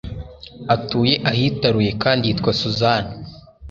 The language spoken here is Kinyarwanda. Atuye ahitaruye kandi yitwa Susan.